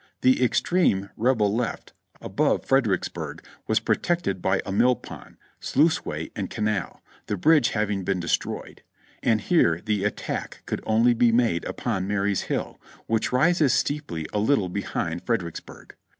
The extreme Rebel left above Fredericksburg was protected by a mill pond, sluice way and canal, the bridge having been destroyed ; and here the attack could only be made upon Marye's Hill, which rises steeply a little behind Fredericksburg.